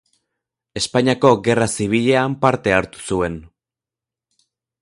Espainiako Gerra Zibilean parte hartu zuen.